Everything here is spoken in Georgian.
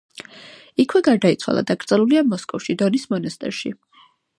იქვე გარდაიცვალა, დაკრძალულია მოსკოვში, დონის მონასტერში.